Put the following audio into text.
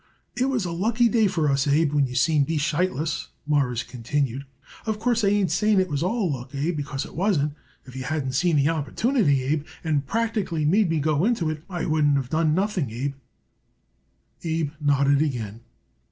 "It was a lucky day for us, Abe, when you seen B. Sheitlis," Morris continued. "Of course, I ain't saying it was all luck, Abe, because it wasn't. If you hadn't seen the opportunity, Abe, and practically made me go into it, I wouldn't of done nothing, Abe." Abe nodded again.